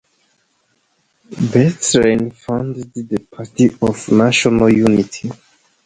Bethlen founded the Party of National Unity.